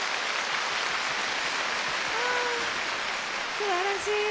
すばらしい。